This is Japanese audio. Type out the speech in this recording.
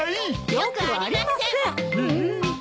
よくありません！